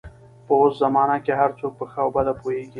په اوس زمانه کې هر څوک په ښه او بده پوهېږي.